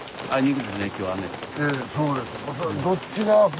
ええそうです。